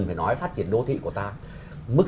phải nói phát triển đô thị của ta mức